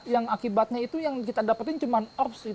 yang akibatnya itu yang kita dapetin cuma opsi